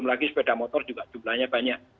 apalagi sepeda motor juga jumlahnya banyak